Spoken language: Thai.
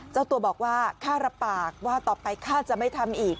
เจ้าตัวบอกว่าข้ารับปากว่าต่อไปข้าจะไม่ทำอีก